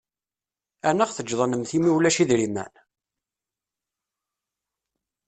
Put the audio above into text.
Ɛni ad ɣ-teǧǧeḍ an-nemmet imi ulac idrimen?